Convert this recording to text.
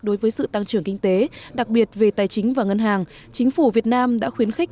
đối với sự tăng trưởng kinh tế đặc biệt về tài chính và ngân hàng chính phủ việt nam đã khuyến khích